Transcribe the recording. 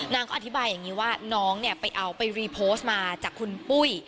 ก็อธิบายอย่างนี้ว่าน้องเนี่ยไปเอาไปรีโพสต์มาจากคุณปุ้ย